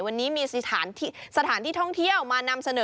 วันนี้มีสถานที่ท่องเที่ยวมานำเสนอ